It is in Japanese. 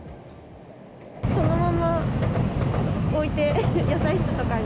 そのまま置いて、野菜室とかに。